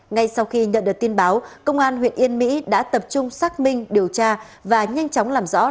ngay sau khi nhận được tin báo công an huyện yên mỹ đã tập trung xác minh điều tra và nhanh chóng làm rõ